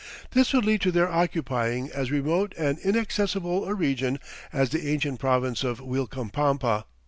This would lead to their occupying as remote and inaccessible a region as the ancient province of Uilcapampa.